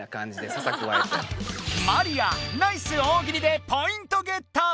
マリアナイス大喜利でポイントゲット！